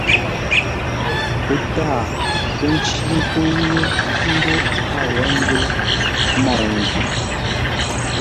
Pə́ taa nkə́ ncí ńtə́u yé ńgó a wó ńzə́u môu-ngwʉ̂.